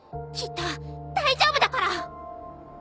きっと大丈夫だから！